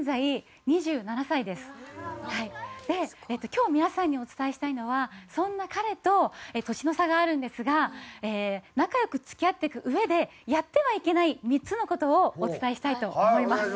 今日皆さんにお伝えしたいのはそんな彼と年の差があるんですが仲良く付き合っていくうえでやってはいけない３つの事をお伝えしたいと思います。